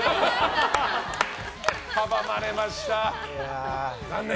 阻まれました、残念！